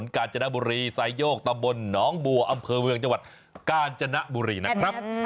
กาญจนบุรีไซโยกตำบลหนองบัวอำเภอเมืองจังหวัดกาญจนบุรีนะครับ